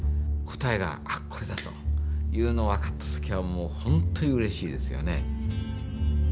答えが「あっこれだ」というのを分かった時はもう本当にうれしいですよね。